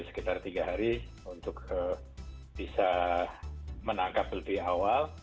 sekitar tiga hari untuk bisa menangkap lebih awal